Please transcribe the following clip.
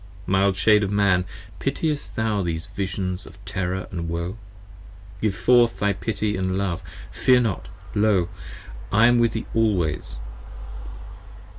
Mild Shade of Man, pitiest thou these Visions of terror & woe? Give forth thy pity & love, fear not ! lo I am with thee always.